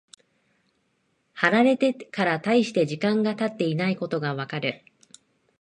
貼られてから大して時間が経っていないことがわかる。